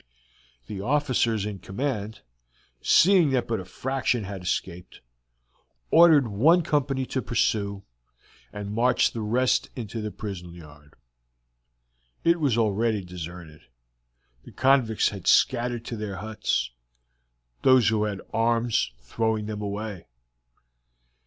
The officers in command, seeing that but a fraction had escaped, ordered one company to pursue, and marched the rest into the prison yard. It was already deserted; the convicts had scattered to their huts, those who had arms throwing them away.